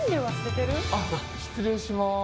あっ失礼します。